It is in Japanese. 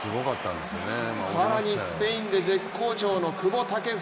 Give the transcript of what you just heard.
更にスペインで絶好調の久保建英。